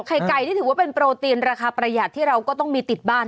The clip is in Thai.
ไข่ไก่นี่ถือว่าเป็นโปรตีนราคาประหยัดที่เราก็ต้องมีติดบ้าน